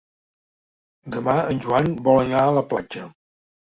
Demà en Joan vol anar a la platja.